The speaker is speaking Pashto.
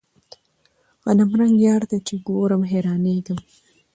غنمرنګ يار ته چې ګورم حيرانېږم.